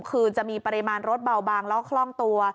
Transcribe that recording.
คืนจะมีปริมาณรถเบาบางแล้วก็คล่องตัว